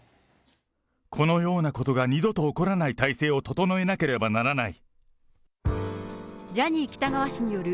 このようなことが二度と起こらない体制を整えなければならない。